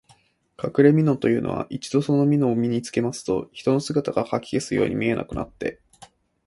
かくれみのというのは、一度そのみのを身につけますと、人の姿がかき消すように見えなくなって、